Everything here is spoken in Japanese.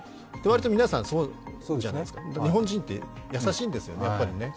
割と皆さんそうじゃないですか、日本人って優しいんですよね、やっぱり。